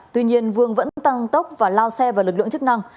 tuy nhiên vương vẫn tăng tốc và lao xe vào lực lượng chức năng